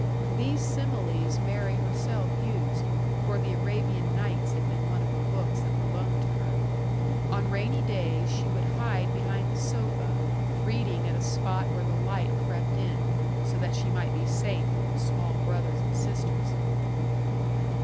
These similes Mary herself used for the Arabian Nights had been one of the books that were loaned to her. On rainy days she would hide behind the sofa, reading at a spot where the light crept in so that she might be safe from small brothers and sisters!